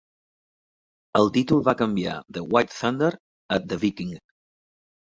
El títol va canviar de "White Thunder" a "The Viking".